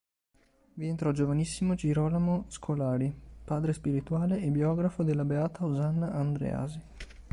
Vi entrò giovanissimo Girolamo Scolari, padre spirituale e biografo della beata Osanna Andreasi.